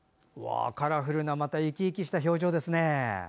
カラフルな生き生きした表情ですね。